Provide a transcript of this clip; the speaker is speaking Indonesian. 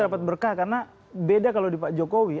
dapat berkah karena beda kalau di pak jokowi